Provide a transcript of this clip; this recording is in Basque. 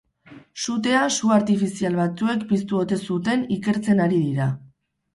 Sutea su-artifizial batzuek piztu ote zuten ikertzen ari dira.